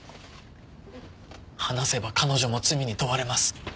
話せば彼女も罪に問われます。